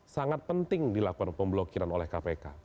sangat penting dilakukan pemblokiran oleh kpk